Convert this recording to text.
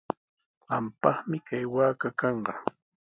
Qampaqmi kay waaka kanqa.